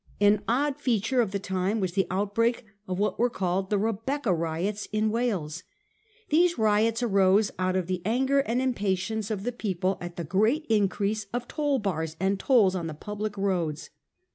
An odd feature of the time was the outbreak of what were called the Rebecca riots in Wales. These riots arose out of the anger and impatience of the people at the great increase of toll bars and tolls on the public roads.